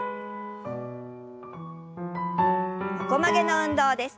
横曲げの運動です。